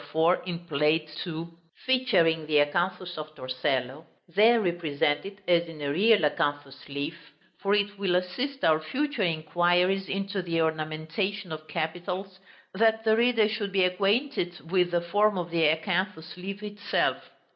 4 in Plate II., there represented as in a real acanthus leaf; for it will assist our future inquiries into the ornamentation of capitals that the reader should be acquainted with the form of the acanthus leaf itself.